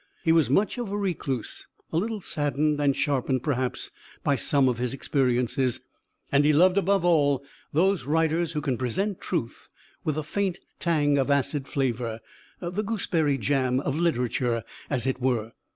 He was much of a recluse, a little saddened and sharpened perhaps by some of his experiences; and he loved, above all, those writers who can present truth with a faint tang of acid flavour, the gooseberry jam of literature as it were.